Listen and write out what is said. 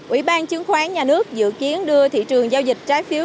ủy ban chứng khoán nhà nước dự kiến đưa thị trường giao dịch trái phiếu